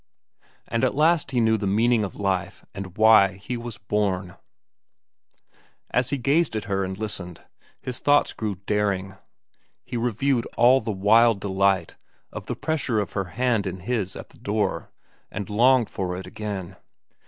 And at last he knew the meaning of life and why he had been born. As he gazed at her and listened, his thoughts grew daring. He reviewed all the wild delight of the pressure of her hand in his at the door, and longed for it again.